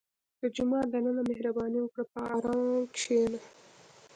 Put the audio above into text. • د جومات دننه مهرباني وکړه، په ارام کښېنه.